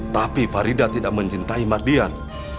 tapi farida tidak mencintai mardian